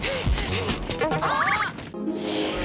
あっ！